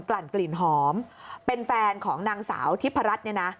ลั่นกลิ่นหอมเป็นแฟนของนางสาวทิพรัชเนี่ยนะ